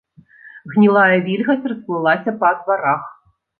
Гнілая вільгаць расплылася па дварах.